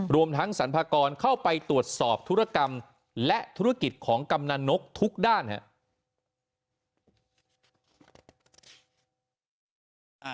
รวมทั้งสรรพากรเข้าไปตรวจสอบธุรกรรมและธุรกิจของกำนันนกทุกด้านครับ